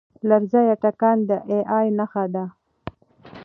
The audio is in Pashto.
لرزه یا تکان د اې ای نښه ده.